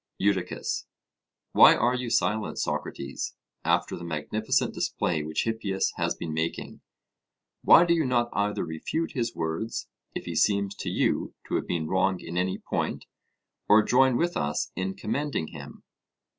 EUDICUS: Why are you silent, Socrates, after the magnificent display which Hippias has been making? Why do you not either refute his words, if he seems to you to have been wrong in any point, or join with us in commending him?